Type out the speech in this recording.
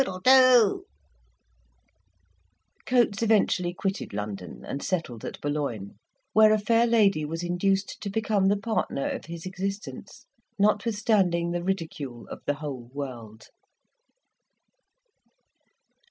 Coates eventually quitted London and settled at Boulogne, where a fair lady was induced to become the partner of his existence, notwithstanding the ridicule of the whole world.